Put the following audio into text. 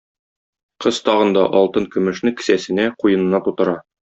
Кыз тагын да алтын-көмешне кесәсенә, куенына тутыра.